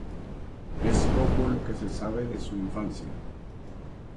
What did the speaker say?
Es poco lo que se sabe de su infancia.